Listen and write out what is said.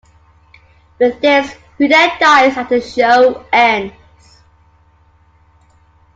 With this, Huda dies and the show ends.